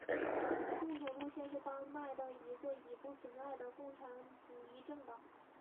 共同路线是丹麦的一个已不存在的共产主义政党。